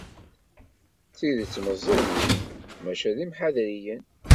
D tidet meẓẓiyit, maca d imḥadriyen.